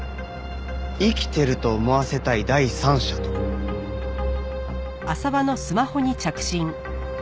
生きてると思わせたい第三者とか。